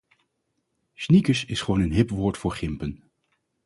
Sneakers is gewoon een hip woord voor gympen.